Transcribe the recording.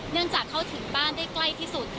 เนื่องจากเข้าถึงบ้านได้ใกล้ที่สุด